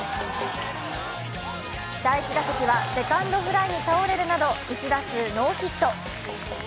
第１打席はセカンドフライに倒れるなど１打数ノーヒット。